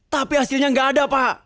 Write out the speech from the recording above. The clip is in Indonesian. tapi hasilnya nggak ada pak